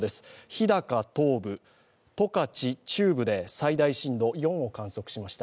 日高東部、十勝中部で最大震度４を観測しました。